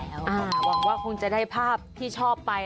หวังว่าคงจะได้ภาพที่ชอบไป